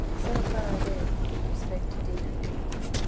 So far, then, with respect to defect.